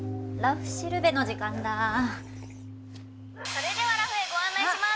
「それではラフへご案内します」。